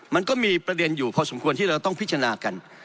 มันก็มีประเด็นอยู่พอสมควรที่เราต้องพิจารณากัน